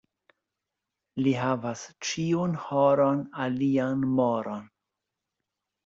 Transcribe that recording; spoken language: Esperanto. Li havas ĉiun horon alian moron.